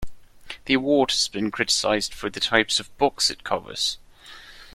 The award has been criticised for the types of books it covers.